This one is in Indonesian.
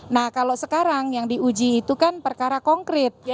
nah kalau sekarang yang diuji itu kan perkara konkret